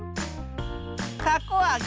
たこあげ。